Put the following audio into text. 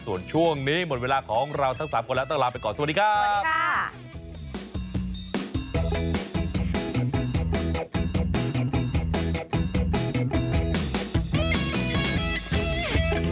ส่วนช่วงนี้หมดเวลาของเราทั้ง๓คนแล้วต้องลาไปก่อนสวัสดีครับ